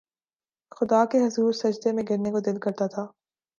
خدا کے حضور سجدے میں گرنے کو دل کرتا تھا